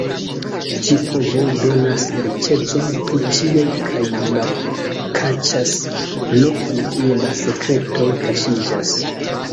Ĉi-povo donas riĉecon pri ĉiaj kaj malkaŝas lokon kie la sekretoj kaŝiĝas.